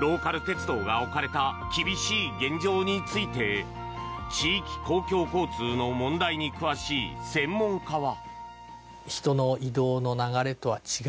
ローカル鉄道が置かれた厳しい現状について地域公共交通の問題に詳しい専門家は。